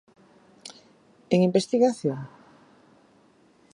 En investigación?